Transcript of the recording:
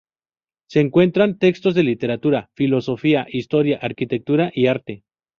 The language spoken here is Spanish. Se encuentran textos de literatura, filosofía, historia, arquitectura y arte.